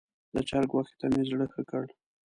د چرګ غوښې ته مې زړه ښه کړ.